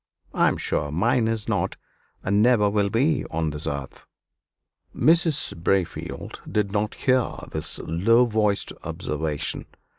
"I am sure mine is not, and never will be on this earth." Mrs. Braefield did not hear this low voiced observation.